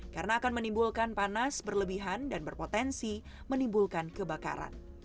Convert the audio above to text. karena akan menimbulkan panas berlebihan dan berpotensi menimbulkan kebakaran